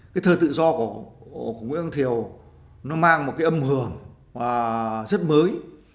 cái thơ tự do của nguyễn quang thiều nó mang một cái âm hưởng rất mới